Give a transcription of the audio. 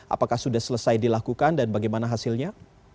apakah sudah selesai dilakukan dan bagaimana hasilnya